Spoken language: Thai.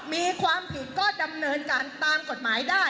มีความผิดก็ดำเนินการตามกฎหมายได้